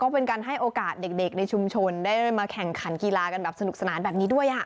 เป็นการให้โอกาสเด็กในชุมชนได้มาแข่งขันกีฬากันแบบสนุกสนานแบบนี้ด้วย